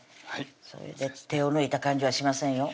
それで手を抜いた感じはしませんよ